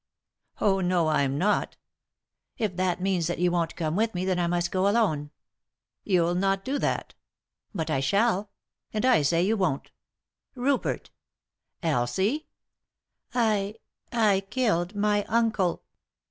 "Oh, no, I'm not" "If that means that you won't come with me, then I must go alone." "You'll not do that" "But I shall." "And I say you won't" " Rupert 1" « Elsie 1" " I — I killed my uncle."